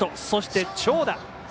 そして、長打。